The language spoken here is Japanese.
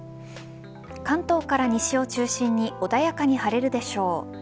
関東から西を中心に穏やかに晴れるでしょう。